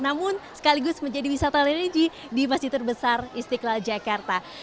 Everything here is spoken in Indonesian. namun sekaligus menjadi wisata religi di masjid terbesar istiqlal jakarta